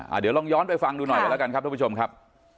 เดี๋ยวลองย้อนไปฟังดูหน่อยกันแล้วกันครับทุกผู้ชมครับ